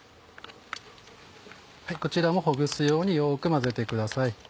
こちらもほぐすようによく混ぜてください。